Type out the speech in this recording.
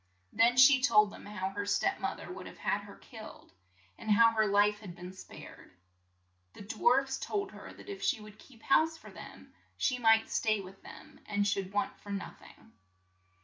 Then she told them how her step moth er would have had her killed, and how her life had been spared. The dwarfs told her that if she would keep house for them she might stay with them and should want for noth ing.